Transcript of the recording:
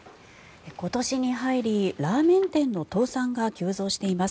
今年に入りラーメン店の倒産が急増しています。